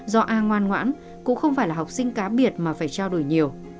do a ngoan ngoãn cũng không phải là học sinh cá biệt mà phải trao đổi nhiều